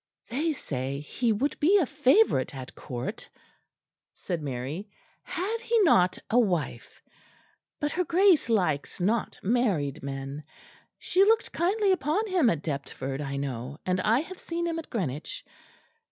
"They say he would be a favourite at Court," said Mary, "had he not a wife. But her Grace likes not married men. She looked kindly upon him at Deptford, I know; and I have seen him at Greenwich.